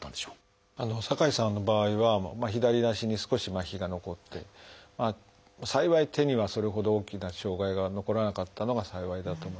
酒井さんの場合は左足に少しまひが残って幸い手にはそれほど大きな障害が残らなかったのが幸いだと思います。